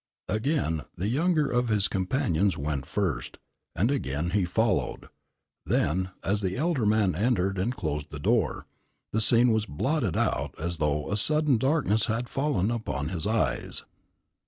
Again the younger of his companions went first, and again he followed; then, as the elder man entered and closed the door, the scene was blotted out as though a sudden darkness had fallen upon his eyes.